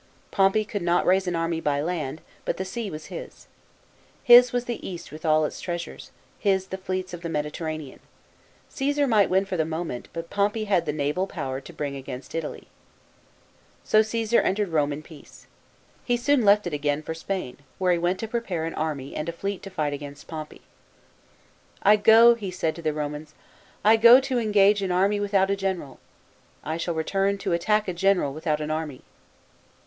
Pompey could not raise an army by land, but the sea was his. His was the East with all its treas ures, his the fleets of the Mediterranean. CiPsar might win for the moment, but Pompey had the naval power to bring against Italy. So Caesar entered Rome in peace. He soon left it again for Spain, where he went to prepare an army and a fleet to fight against Pompey. " I go," he said to the Romans " I go to engage an army without a general : I shall return, to attack a general, without an army."